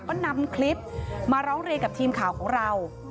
ก็นำคลิปมาร้องเรียนกับทีมข่าวของเรา